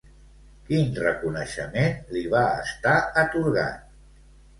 Quin reconeixement li va estar atorgat?